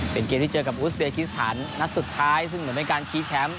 เป็นเกมที่เจอกับอูสเบคิสถานนัดสุดท้ายซึ่งเหมือนเป็นการชี้แชมป์